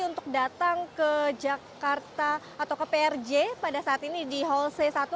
untuk datang ke jakarta atau ke prj pada saat ini di hall c satu